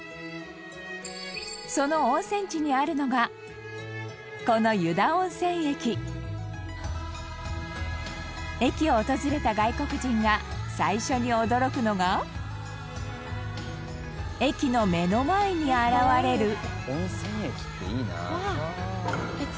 その温泉地にあるのがこの湯田温泉駅駅を訪れた外国人が最初に驚くのが駅の目の前に現れるウエンツ：